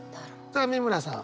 さあ美村さん。